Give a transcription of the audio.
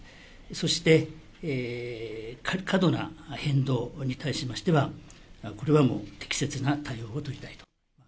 そして、過度な変動に対しましては、これはもう、適切な対応を取りたいと。